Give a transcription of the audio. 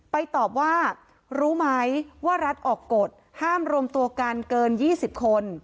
ตอบว่ารู้ไหมว่ารัฐออกกฎห้ามรวมตัวกันเกิน๒๐คน